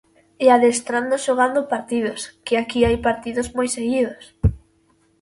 E adestrando xogando partidos, que aquí hai partidos moi seguidos.